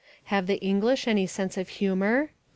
Have the English any Sense of Humour?